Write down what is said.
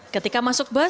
ketika masuk bus